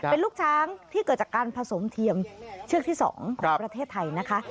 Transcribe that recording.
เป็นลูกช้างที่เกิดจากการผสมเทียมเชือกที่๒ของประเทศไทยนะคะ